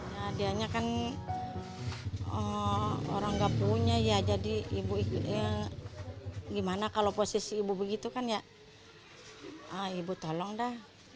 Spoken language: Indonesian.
ya dianya kan orang nggak punya ya jadi ibu gimana kalau posisi ibu begitu kan ya ibu tolong dah